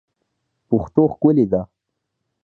پښتو ښکلې ده